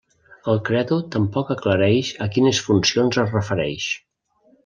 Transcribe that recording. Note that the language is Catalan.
El credo tampoc aclareix a quines funcions es refereix.